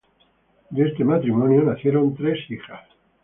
De este matrimonio nacieron tres hijas.